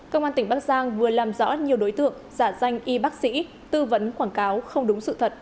công an tỉnh bắc giang vừa làm rõ nhiều đối tượng giả danh y bác sĩ tư vấn quảng cáo không đúng sự thật